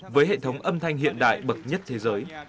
với hệ thống âm thanh hiện đại bậc nhất thế giới